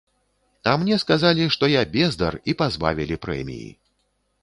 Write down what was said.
А мне сказалі, што я бездар і пазбавілі прэміі.